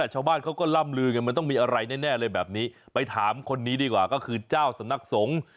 จอล์สมนัขสงศ์